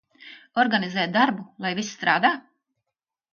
Organizēt darbu, lai viss strādā?